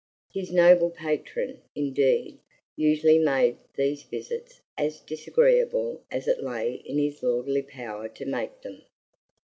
His noble patron, indeed, usually made these visits as disagreeable as it lay in his lordly power to make them.